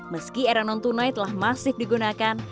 meski era non tunai telah masif digunakan